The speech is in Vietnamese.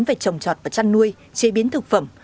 về trồng trọt và chăn nuôi chế biến thực phẩm